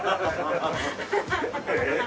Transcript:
えっ？